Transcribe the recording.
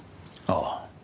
ああ。